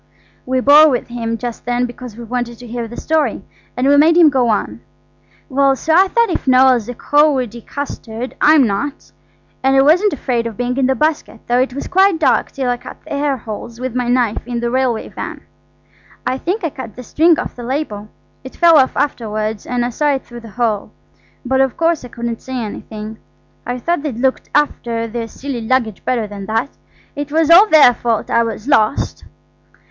We bore with him just then because we wanted to hear the story. And we made him go on. "Well–so I thought if Noël's a cowardy custard I'm not–and I wasn't afraid of being in the basket, though it was quite dark till I cut the air holes with my knife in the railway van. I think I cut the string off the label. It fell off afterwards, and I saw it through the hole, but of course I couldn't say anything. I thought they'd look after their silly luggage better than that. It was all their fault I was lost."